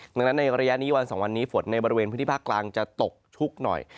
ดังนั้นในระยะนี้วันสองวันนี้ฝนในบริเวณพื้นที่ภาคกลางจะตกชุกหน่อย